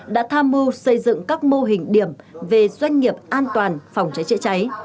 đã tham mưu xây dựng các mô hình điểm về doanh nghiệp an toàn phòng cháy chữa cháy